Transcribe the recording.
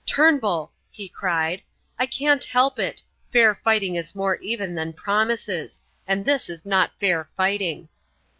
"Turnbull!" he cried; "I can't help it fair fighting is more even than promises. And this is not fair fighting."